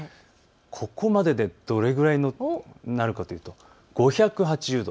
ここまででどれくらいになるかというと５８０度。